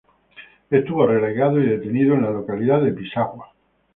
Estuvo relegado y detenido en la localidad de Pisagua.